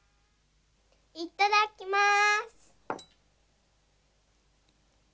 いただきます。